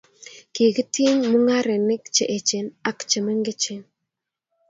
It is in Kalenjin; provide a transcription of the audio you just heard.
kikitiny mung'arenik che echen ak che mengechen